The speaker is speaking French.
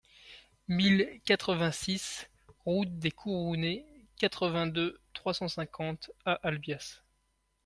mille quatre-vingt-six route des Courounets, quatre-vingt-deux, trois cent cinquante à Albias